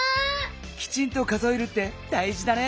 きちんと数えるってだいじだね。